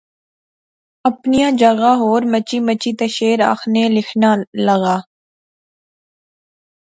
اپنیاں جاغا ہور مچی مچی تے شعر آخنا لیخنا لغا